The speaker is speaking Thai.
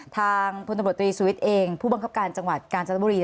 ทางพตสวิตซ์เองผู้บังคับการจังหวัดการจันทบุรี